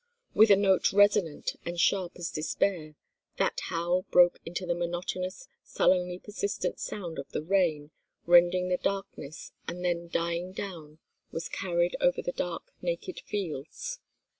With a note resonant, and sharp as despair, that howl broke into the monotonous, sullenly persistent sound of the rain, rending the darkness, and then dying down was carried over the dark naked fields.